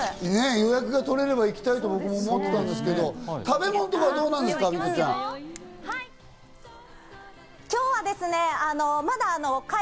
予約が取れれば僕も行きたいと思ってたんですけど、食べ物とかどうなんですか？